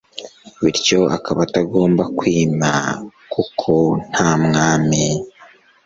bityo akaba atagomba kwima kuko nta mwami